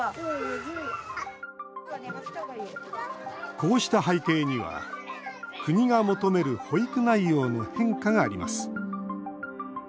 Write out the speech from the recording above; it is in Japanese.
こうした背景には、国が求める保育内容の変化があります。